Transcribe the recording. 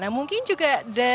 ya mungkin juga